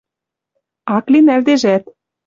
Ак ли нӓлдежӓт